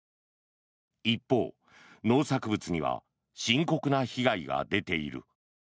一方、農作物には深刻な被害が出ている。